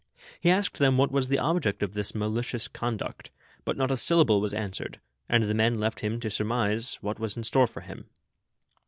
He asked them what was the object of this malicious con duct, but not a syllable was answered, and the men left him to surmise v>iiat vv^as in store for him.